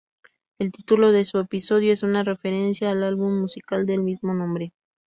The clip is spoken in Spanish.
El título de su episodio es una referencia al álbum musical del mismo nombre.